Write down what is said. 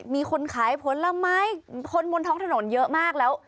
มีคนขายผลไม้คนบนท้องถนนเยอะมากแล้ว